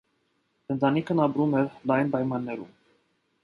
Ընտանիքն ապրում էր լայն պայմաններում։